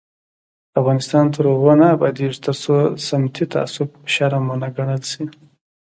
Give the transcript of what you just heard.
افغانستان تر هغو نه ابادیږي، ترڅو سمتي تعصب شرم ونه ګڼل شي.